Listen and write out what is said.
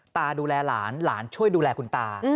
ตาดูแลหลานหลานช่วยดูแลคุณตา